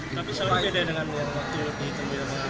tapi sel ada dengan yang waktu itu